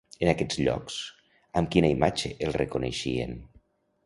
En aquests llocs, amb quina imatge el reconeixien?